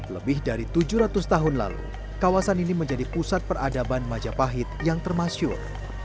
lebih dari tujuh ratus tahun lalu kawasan ini menjadi pusat peradaban majapahit yang termasyur